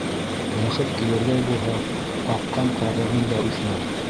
Бәхет килерҙәй булһа, ҡаҡҡан ҡаҙығың да үҫә.